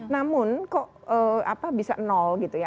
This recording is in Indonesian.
namun kok bisa nol gitu ya